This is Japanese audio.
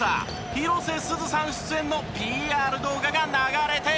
広瀬すずさん出演のＰＲ動画が流れているんです！